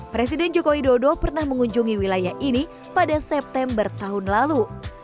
presiden jokowi dodo pernah mengunjungi wilayah ini pada september tahun lalu